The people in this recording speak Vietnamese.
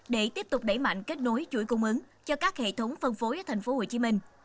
để tiếp tục đẩy mạnh kết nối chuỗi cung ứng cho các hệ thống phân phối ở thành phố hồ chí minh